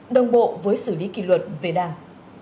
đồng bộ với xử lý kỷ luật về đảng